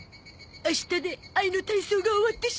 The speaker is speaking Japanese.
明日で愛の体操が終わってしまう。